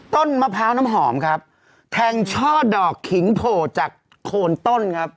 มะพร้าวน้ำหอมครับแทงช่อดอกขิงโผล่จากโคนต้นครับ